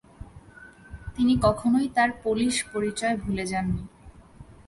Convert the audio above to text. তিনি কখনোই তার পোলিশ পরিচয় ভুলে যাননি।